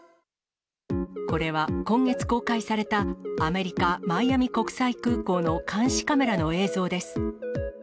これは、今月公開された、アメリカ・マイアミ国際空港の監視カメラの映像です。